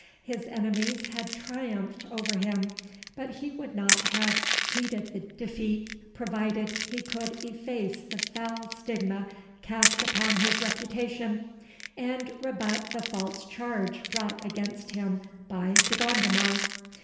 His enemies had triumphed over him; but he would not have heeded the defeat, provided he could efface the foul stigma cast upon his reputation, and rebut the false charge brought against him by De Gondomar.